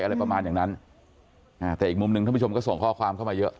อะไรประมาณอย่างนั้นอ่าแต่อีกมุมหนึ่งท่านผู้ชมก็ส่งข้อความเข้ามาเยอะ